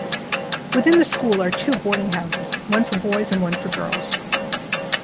Within the school are two boarding houses, one for boys and one for girls.